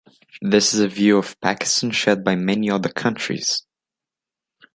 This is a view of Pakistan shared by many other countries.